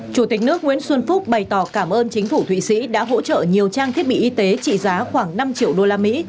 chủ tịch nước nguyễn xuân phúc bày tỏ cảm ơn chính phủ thụy sĩ đã hỗ trợ nhiều trang thiết bị y tế trị giá khoảng năm triệu đô la mỹ